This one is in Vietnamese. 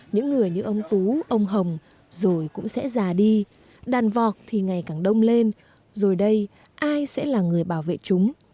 những người như ông tú ông hồng rồi cũng sẽ già đi đàn vọc thì ngày càng đông lên rồi đây ai sẽ là người bảo vệ chúng